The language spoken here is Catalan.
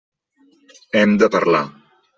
Hem de parlar.